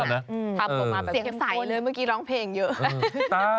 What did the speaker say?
ทำออกมาแบบเสียงใสเลยเมื่อกี้ร้องเพลงเยอะ